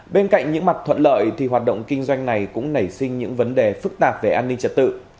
bên cạnh những mặt thuận lợi thì hoạt động kinh doanh này cũng nảy sinh những vấn đề phức tạp về an ninh trật tự